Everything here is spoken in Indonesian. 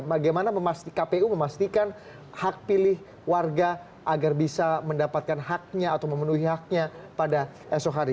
bagaimana kpu memastikan hak pilih warga agar bisa mendapatkan haknya atau memenuhi haknya pada esok hari